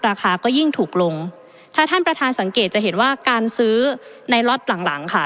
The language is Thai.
ราคาก็ยิ่งถูกลงถ้าท่านประธานสังเกตจะเห็นว่าการซื้อในล็อตหลังหลังค่ะ